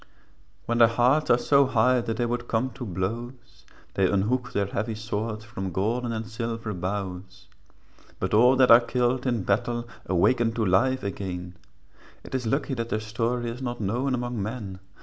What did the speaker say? When their hearts are so high, That they would come to blows, They unhook their heavy swords From golden and silver boughs; But all that are killed in battle Awaken to life again; It is lucky that their story Is not known among men.